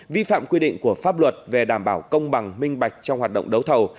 vi phạm quy định của pháp luật về đảm bảo công bằng minh bạch trong hoạt động đấu thầu